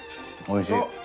おいしい。